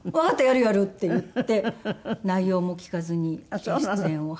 やるやる」って言って内容も聞かずに出演を決めました。